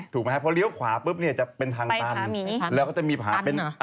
ถูกมั้ยครับเพราะเดี่ยวขวาเป็นทางตัน